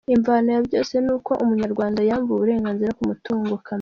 Imvano ya byose ni uko umunyarwanda yambuwe ubureganzira ku mutungo we kamere.